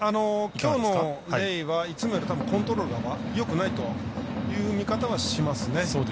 きょうのレイはいつもよりコントロールがよくないという見方はしますね。